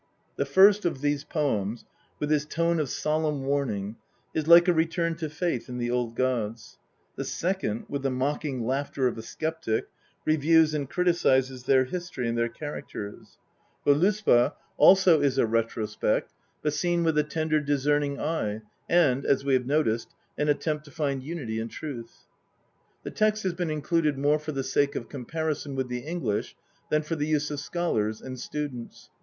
The first of these poems, with its tone of solemn warning, is like a return to faith in the old gods ; the second, with the mocking laughter of a sceptic, reviews and criticises their history and their characters. Voluspa also B 13 x THE POETIC EDDA. is a retrospect, but seen with a tender discerning eye, and, as we have noticed, an attempt to find unity and truth. The text has been included more for the sake of comparison with the English than for the use of scholars and students.